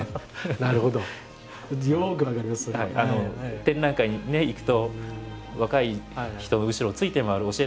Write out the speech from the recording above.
展覧会にね行くと若い人の後ろをついて回る教え